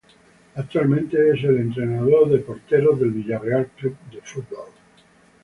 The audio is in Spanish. Actualmente es el entrenador de porteros del Villarreal Club de Fútbol.